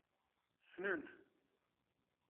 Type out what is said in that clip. Ssnen-t.